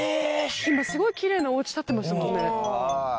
今すごいキレイなお家建ってましたもんね。